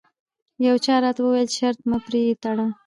یو چا راته وویل چې شرط مه پرې تړه.